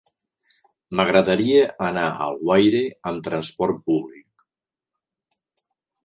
M'agradaria anar a Alguaire amb trasport públic.